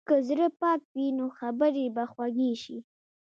که زړه پاک وي، نو خبرې به خوږې شي.